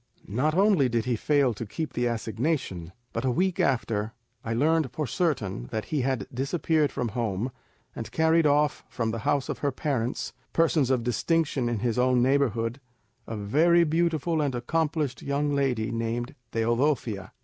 "Not only did he fail to keep the assignation, but a week after I learned for certain that he had disappeared from home, and carried off from the house of her parents, persons of distinction in his own neighbourhood, a very beautiful and accomplished young lady named Teodosia.